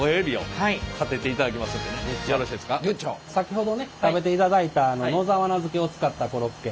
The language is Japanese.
先ほどね食べていただいた野沢菜漬けを使ったコロッケ。